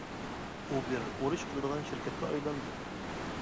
ئۇ بىر ئۇرۇش قىلىدىغان شىركەتكە ئايلاندى.